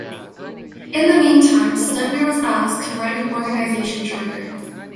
In the meantime, Stettner was asked to write an organization charter.